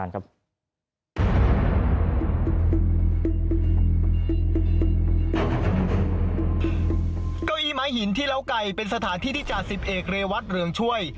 การที่เล้าไก่เป็นสถานที่ที่จ่าดสิบเอกเมวัทฤ่างช่วย